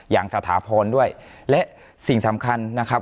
สถาพรด้วยและสิ่งสำคัญนะครับ